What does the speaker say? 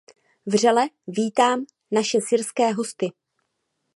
Vřele vítám naše syrské hosty!